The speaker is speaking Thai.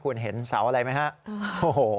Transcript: คุณเห็นเสาอะไรไหมครับ